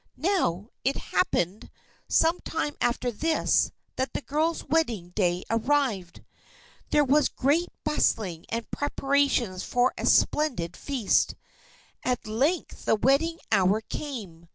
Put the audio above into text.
Now, it happened, some time after this, that the girl's wedding day arrived. There was great bustling, and preparations for a splendid feast. At length the wedding hour came.